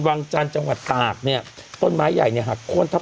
วังจันทร์จังหวัดตากเนี่ยต้นไม้ใหญ่เนี่ยหักโค้นทับ